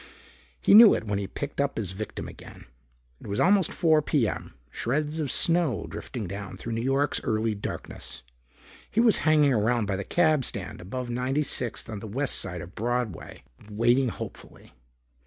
He knew it when he picked up his victim again. It was almost 4 P.M., shreds of snow drifting down through New York's early darkness. He was hanging around by the cab stand above 96th on the west side of Broadway, waiting hopefully.